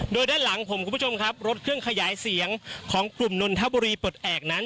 โดยด้านหลังรถเครื่องขยายเสียงของกลุ่มนนทบุรีปลดแอบนั้น